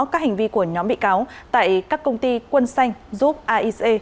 các hành vi của nhóm bị cáo tại các công ty quân xanh giúp aic